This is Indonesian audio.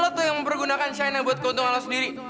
lo tuh lo tuh yang mempergunakan shaina buat keuntungan lo sendiri